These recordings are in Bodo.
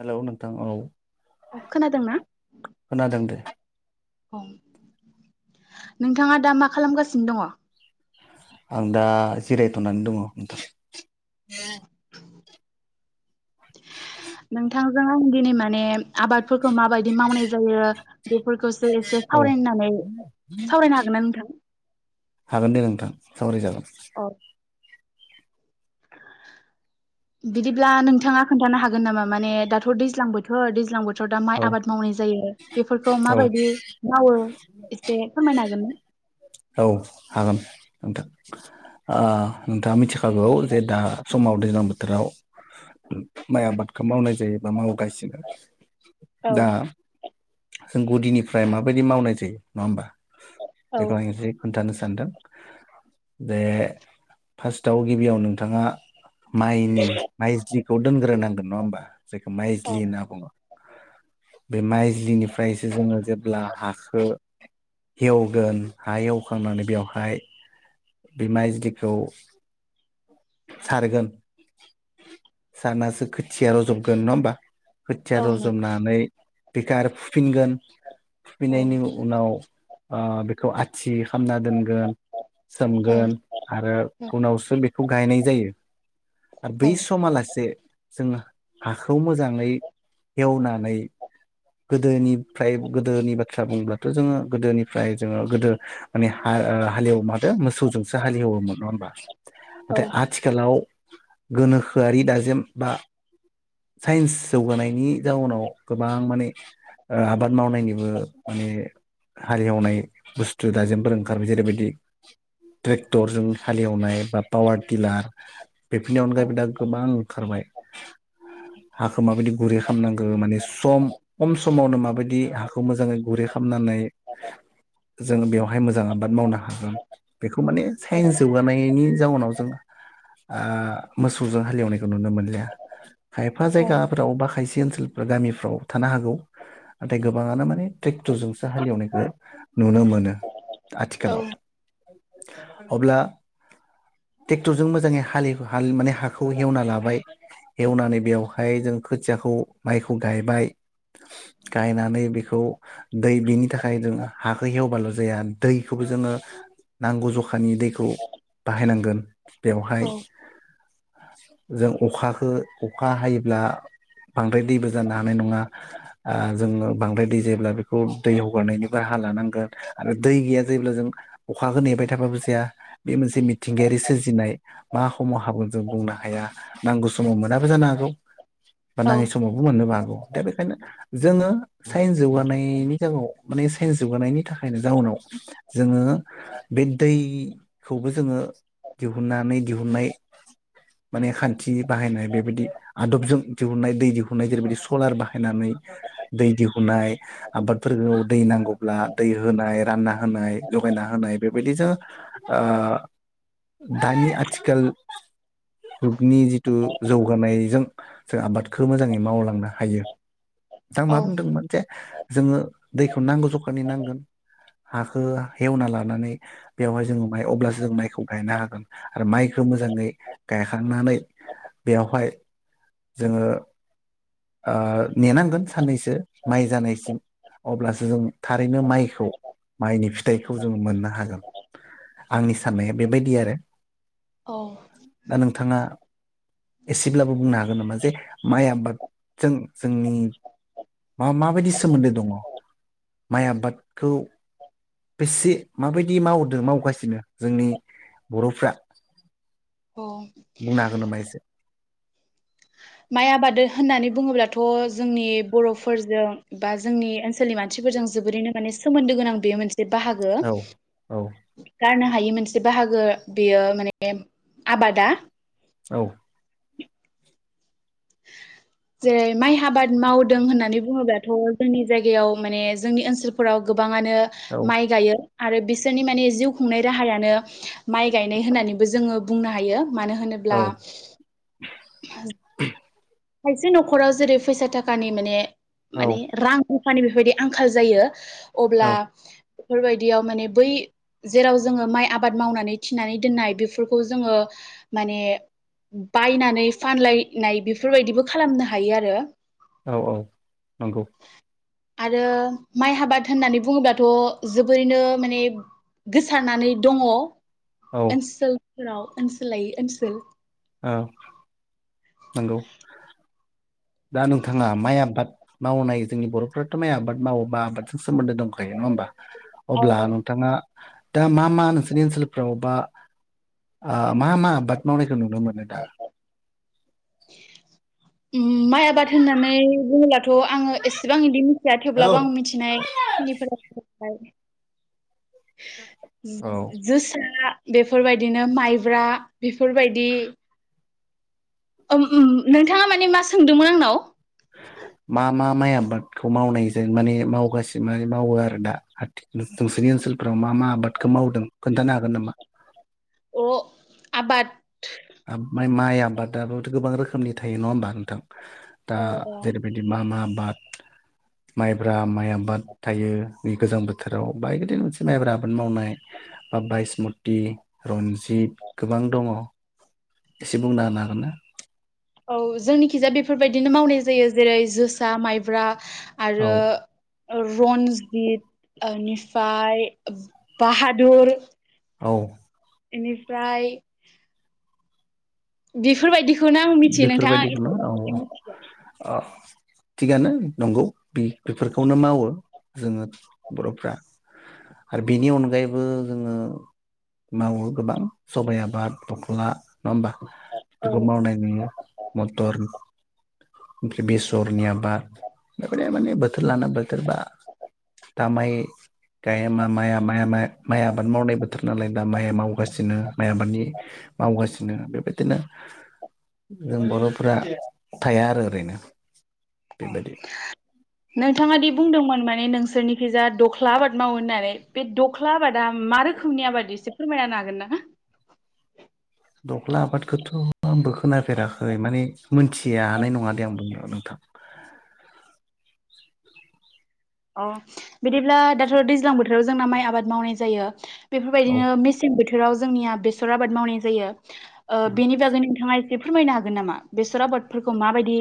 हेलौ नोंथां औ अ खोनादोंना? खोनादों दे नोंथाङा दा मा खालामगासिनो दङ? आं दा जिरायथ'नानै दङ नोंथां । [unintelligible] नोंथां जों दिनै माने आबादफो खो माबायदि मावनाय जायो फोरखोसो एसे सावरायनो औ होन्नानै सावरायनो हागोन ना नोंथां? हागोन दे नोंथां सावराय जागोन। अ। बिदिब्ला नोंथाङा खोन्थानो हागोन नामा माने दाथ' दैज्लां बोथोर दैज्लां बो थ' दा औ माइ आबाद मावनाय जायो बेफोरखौ औ माबायदि मावो एसे फोरमायनो हागोन ना? औ हागोन नोंथां ओ नोंथाङा मिथिखागौ जे दा समाव दैज्लां बोथोराव माइ आबादखौ मावनाय जायोबा मावगासिनो औ दा जों गुदिनिफ्राय माबायदि मावनाय जायो नङा होमबा औ बेखौ हाय एसे खोन्थानो सानदों जे फार्स्टआव गिबियाव नोंथांङा माइनि माइ जिखौ दोनग्रोनां नङा होमबा। जेखौ औ माइज्लि होन्ना बुंङो। बे माइज्लिनिफ्रायसो जोंङो जेब्ला हाखौ एवगोन हा एवखांनानै बेवहाय बे माइज्लिखौ सारगोन सारनासो खोथिया रजबगोन नङा होमबा। थिया औ नोंथां रजबनानै। बेखौ आरो फुफिनगोन। फुफिन औ नायनि उनाव ओ बेखौ आथि खामना दोनगोन सोमगोन आरो उनावसो खौ गायनाय जायो। बै औ समालासे जोंङो हाखौ मोजाङै एवनानै। गोदोनिफ्राय गोदोनि बाथ्रा बुंब्लाथ' जोंङो गोदोनिफ्राय जोंङो गोदो माने हालेवो माथो मोसौजोंसो हालेवोमोन नङा होमबा। नाथाय आथिखालाव गोनोखोआरि दाजेम बा साइन्स जौगानायनि जाउनाव गोबां माने ओ आबाद मावनायनिबो माने हालेवनाय बुस्थु दाजेमफोर ओंखारबाय जेरैबायदि ट्रेक्टरजों हालेवनाय बा पावार टिलार। बेफोरनि अनगायैबो औ दा गोबां खारबाय हाखौ माबायदि गुरै खालामनांगौ माने सम खम समावनो माबायदि हाखौ मोजांङै गुरै खालाम नानै जों बेव बेवहाय मोजां आबाद मावनो हागोन बेखौ माने साइन्स जौगानायनि जाउनाव जों ओ मोसौजों हालेवनायखौ नुनो मोनो नंलिया खायफा औ जायगाफोरावबा खायसे बे ओनसोलफोर गामिफ्राव थानो हागौ नाथाय गोबांङानो माने ट्रेक्टर बुस्थुजोंसो हालेवनायखौ नुनो मोनो आथिखालाव अब्ला ट्रेक्टरजों मोजांङै हव माने हाखौ हेवना लाबाय हेवनानै बेवहाय जों खोथियाखौ माइखौ गायबाय गायनानै बेखौ दै बिनि थाखाय सायदों हाखौ एवबाल' जाया दैखौबो जोंङो नांगौ जखानि दैखौ बाहायनांगोन बेवहाय जों अखाखौ अखा हायोब्ला बांद्राय दैबो जानो हानाय नंङा ओ जोङो बांद्राय दै जायोब्ला बेखौ दै हगारनायनिफ्राय राहा लानांगोन आरो दै गैया जायोब्ला जों अखाखौ नेबाय थाबाबो जाया बे मोनसे मिथिंगायारि सोरजिनाय मा समाव हाबोन जों बुंनो हाया नांगौ समाव मोनाबो जानो हागौ। बा औ नाङै समावबो मोननोबो हागौ दा बेखायनो जोङो साइन्स जौगानायनि जगाव माने साइन्स जौगानायनि थाखायनो जाउनाव जोङो बे दैखौबो जोङो दिहुननानै दिहुननाय माने खान्थि बाहायनाय बेबायदि आदबजों दिहुननाय दै दिहुननाय जेरैबायदि सलार बाहायनानै दै दिहुननाय आबादफोरखौ दै नांगौब्ला दै होनाय रानना होनाय जगायना होनाय बेबायदिजों ओ दानि आथिखाल जुगनि जिथु जौगानायजों जों आबादखौ मोजाङै मावलांनो हायो। आं औ मा बुंदोंमोन जे जोङो दैखौ नांगौ जखानि नांगोन। हाखौ हेवना लानानै बेवहाय जोङो माइ अब्लासो जों माइखौ गायनो हागोन आरो माइखौ मोजाङै गायखांनानै बेवहाय जोङो ओ नेनांगोन साननैसो माइ जानायसिम अब्लासो जों थारैनो माइखौ माइनि फिथाइखौ जों मोननो हागोन आंनि साननाया बेबायदि आरो। अ दा नोंथाङा एसेब्लाबो बुंनो हागोन नामा जे माइ आबाद जों जोंनि मा माबायदि सोमोन्दो दङ माइ आबादखौ बेसे माबायदि मावदों मावगासिनो जोंनि बर'फ्रा औ बुंनो हागोन नामा एसे? माइ आबाद होननानै बुङोब्लाथ' जोंनि बर'फोरजों बा जोंनि ओनसोलनि मानसिफोरजों जोबोरैनो माने सोमोन्दो गोनां बेयो मोनसे जे बाहागो औ औ गारनो हायै मोनसे बाहागो बेयो माने आबादा। औ जेरै माइ आबाद मावदों होननानै बुङोब्लाथ' जोंनि जायगायाव माने जोंनि ओनसोलफोराव गोबां आनो औ माइ गायो। आरो बिसोरनि माने जिउ खुंनाय राहायानो माइ गायनाय होननानैबो जोङो बुंनो हायो। मानो औ होनोब्ला [inaudible] खायसे न'खराव जेरै फैसा थाखानि माने औ माने रां माने बेफोरबायदि आंखाल जायो। औ अब्ला बेफोरबायदियाव माने बै जेराव जोङो माइ आबाद मावनानै थिनानै दोननाय बेफोरखौ जोङो माने बायनानै फानलायनाय बेफोरबायदिबो खालामनो हायो आरो। औ औ नंगौ आरो माइ आबाद होननानै बुङोब्लाथ' जोबोरैनो माने गोसारनानै दङ। औ ओनसोल फोराव ओनसोल लायै ओनसोल। औ नंगौ दा नोंथाङा माइ आबाद मावनाय जोंनि बर'फ्राथ' माइ आबाद मावोबा आबादजों सोमोन्दो दंखायो नङा होमबा? औ अब्ला औ नोंथाङा दा मा मा नोंसोरनि ओनसोलफ्राव बा आ मा मा आबाद मावनायखौ नुनो मोनो दा? ओम माइ आबाद होननानै बुङोब्लाथ' आङो एसेबां इदि मिथिया औ थेवब्लाबो आं मिथिनायखिनिफोरा [unintelligible] जो-जोसा बेफोरबायदिनो माइब्रा बेफोरबायदि [unintelligible] नोंथाङा माने मा सोंदोंमोन आंनाव मा मा माइ आबादखौ मावनायजों माने मावगासिनो मानि मावो आरो दा आथि नोंसोनि ओनसोलफोराव मा मा आबादखौ मावदों खोन्थानो हागोन नामा? अह आबाद आब माइ आबादाबोथ' गोबां रोखोमनि थायो नङा होमबा नोंथां? दा अ अ जेरैबायदि मा मा बाद माइब्रा माइ आबाद थायो गोजां बोथोराव बायदि मोनसे माइब्रा आबाद मावनाय बा बायसमुति रनजि जित गोबां दङ। एसे बुंना होनो हागोन ना? औ जोंनिखिजाया बेफोरबायदिनो मावनाय जायो जेरै- जोसा माइब्रा आरो औ ओ रन्जित ओ बेनिफ्राय बाहादुर औ इनिफ्रायाइ बेफोरबायदि बेफोरबायदिखौनो औ औ थिगानो नंगौ बेफोरखौनो मावो जोङो बर'फ्रा आरो बिनि अनगायैबो जोङो मावो गोबां सबाइ आबाद दख्ला नङा होमबा औ बेफोरखौ औ मावनाय मथर ओमफ्राय बेसरनि आबाद बेबायदि माने बोथोर लाना बोथोरबा दा माइ गाय मा माया माया माया माइ आबाद मावनाय बोथोर नालाय दा माइया मावगासिनो माइ आबादनि मावगासिनो बेबायदिनो जों बर'फोरा थाया आरो ओरैनो। ओम बेबायदि नोंथाङा दि बुंदोंमोन माने नों सोरनिखैजा दख्ला आबाद मावो होननानै बे दख्ला आबादा मा रोखोमनि आबाद एसे फोरमायना होनो हागोन ना? दख्ला आबादखौथ' आंबो खोनाफेराखै माने मोनथिया हानाय नङा दे आं बुंनो नोंथां। अ बिदिब्ला दाथ' दैज्लां बोथोराव जोंना माइ आबाद मावनाय जायो औ बेफोरबायदिनो मेसें बोथो बोथोराव जोंनिया बेसर आबाद मावनाय जायो ओ बेनि बागै नोंथाङा एसे बे फोरमायनो हागोन नामा बेसर आबादफोरखौ माबायदि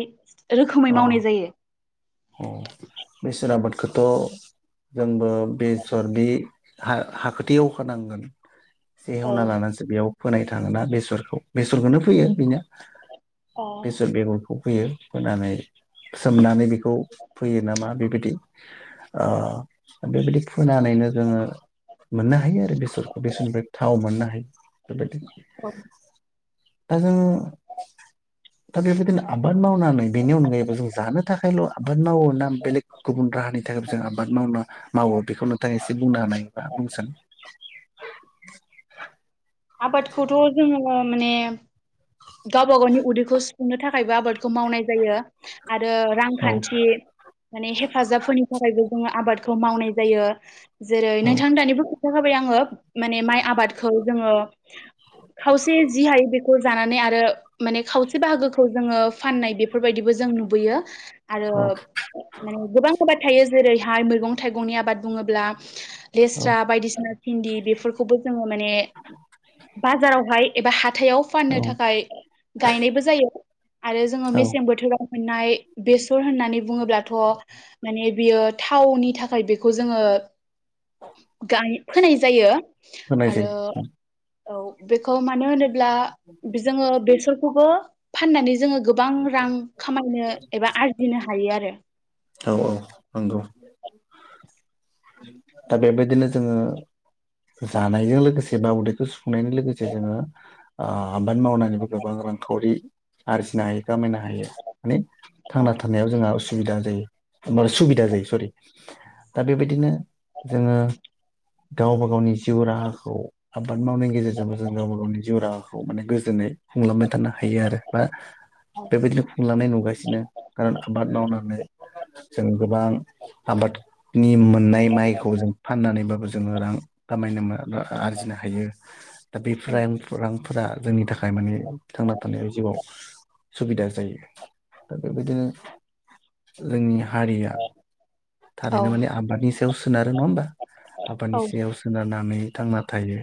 रोखोमै अ मावनाय जायो खौथ' जोंबो बेसर बि हा हाखोथ एवखानांगोन से औ एवना लानानैसो बेयाव फोनाय थाङोना बेसरखौ बेसरखौनो फैयो बेनो बेसर बेगर फोयो फोनानै सोमनानै बेखौ फोयो नामा बेबायदि ओ बेबायदि फोनानैनो जोङो मोननो हायो आरो बेसरखौ बेसरनिफ्राय थाव मोननो हायो बेबायदि औ दाजों दा बेबादिनो आबाद मावनानै बेनि अनगा एबा जों जानो थाखायल' आबाद माव ना बेलेग गुबुन राहानि थाखाय जों आबाद मावनो मावो बेखौ नोंथाङा एसे बुंना होनाया बा बुंसन आबादखौथ' जोङो माने गावबा गावनि उदैखौ सुफुंनो थाखायबो आबादखौ मावनाय जायो आरो औ रांखान्थि माने हेफाजाबफोरनि थाखायबो जोङो आबाद खौ मावनाय जायो जेरै औ नोंथां दानिबो खिथाखाबाय आङो माने माइ आबादखौ जोङो खावसे जि हायो बे खौजानानै आरो माने खावसे बाहागोखौ जोङो फाननाय बेफोरबायदिबो जों नुबोयो आरो औ माने गोबां बेबाद थायो जेरैहाय मैगं थाइगंनि आबाद बुङोब्ला औ लेस्रा बायदिसिना भिन्दि बेफोरखौबो जोङो माने बाजाराव हाय एबा हात हाथायाव औ फाननो थाखाय गायनायबो जायो आरो जोङो औ मेसें बोथोराव मोननाय बेसर होननानै बुङोब्लाथ' माने बियो थावनि थाखाय बेखौ जोङो गाय फोनाय जायो फोनाय आरो जायो औ बेखौ मानो होनो ब्ला जोंङो बेफोर खौबो फनानै जोंङो गो बां रां खामायनो एबा आरजिनो हा हायो आरो। औ औ नंगौ दा बेबायदिनो जोंङो जानायजों लोगोसे बा उदैखौ सुफुंनायनि लोगोजों जोंङो ओ आबाद मावनानैबो गोबां रांखावरि आरजिनो हायो खामायनो हायो ने थांना थानायाव जोंहा उसु बिदा जायो उमबा सुबिदा जायो सरि दा बेबायदिनो जोंङो गावबा गावनि जिउ राहाखौ आबाद मावनायनि गेजेरजोंबो जों गावबा गावनि जिउ राहाखौ माने गोजोनै खुंलांबाय थानो हायो आरो बा बेबायदिनो खुंलांनाय नुगासिनो खारन आबाद मावनानै जों गोबां आबाद नि मोननाय माइखौ जों फाननानैबाबो जोंङो रां खामायनो मो बा आरजिनो हायो दा बेफ्रायां फांफ जा जोंनि थाखाय माने थांना थानायाव जिउआव सुबिदा जायो दा बेबायदिनो जोंनि हारिया औ थारैनो माने आबादनि सायाव सोना रो नंङा होमबा आबादनि औ सायाव सोनारनानै थांना थायो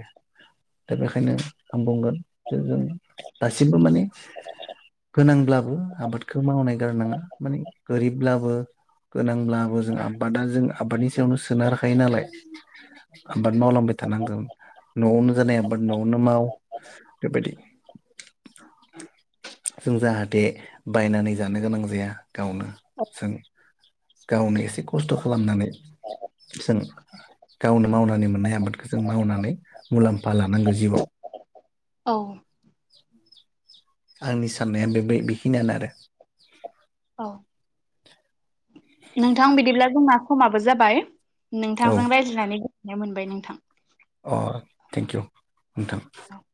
दा बेखायनो आं बुंगोन जे जों दासिमबो माने गोनांब्लाबो आबादखौ मावनाय गारनाङा माने गोरिबब्लाबो गोनांब्लाबो जों आबादा जों आबादनि सायावनो सोनारखायो नालाय आबाद मावलांबाय थानांगौ न'आवनो जानाय आबाद न'आवनो माव बेबायदि जों जाहाथे बायनानै जानो गोनां जाया गावनो जों गावनो एसे खस्थ' खालामनानै जों गावनो मावनानै मोननाय आबादखौ जों मावनानै मुलाम्फा लानांगो जिउआव औ आंनि साननाया बे बाय बेखिनियानो आरो औ नोंथां बिदिब्ला जोंना समाबो जाबाय आरो औ नोंथांजों रायज्लायनानै नाय मोनबाय नोंथां अ थेंकिउ नोंथां औ